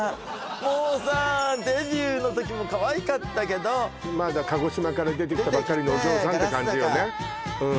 もうさデビューの時もかわいかったけどまだ鹿児島から出てきたばっかりのお嬢さんって感じよね